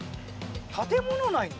建物内に？